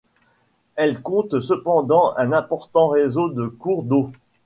Elles comptent cependant un important réseau de cours d'eau.